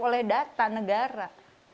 oleh data negara